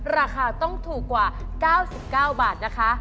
ราคาต้องถูกกว่า๙๙บาทนะคะ